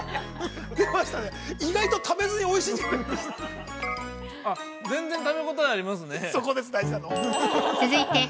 おいしい。